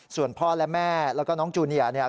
ส่วนพ่อและแม่แล้วก็น้องจูเนียเนี่ย